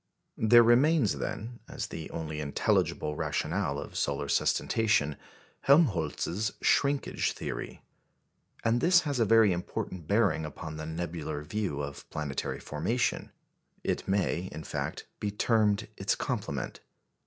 There remains, then, as the only intelligible rationale of solar sustentation, Helmholtz's shrinkage theory. And this has a very important bearing upon the nebular view of planetary formation; it may, in fact, be termed its complement.